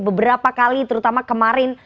beberapa kali terutama kemarin